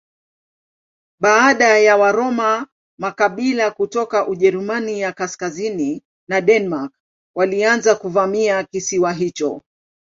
Baada ya Waroma makabila kutoka Ujerumani ya kaskazini na Denmark walianza kuvamia kisiwa hicho.